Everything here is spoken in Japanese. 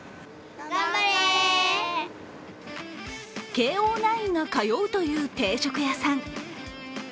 慶応ナインが通うという定食屋さん。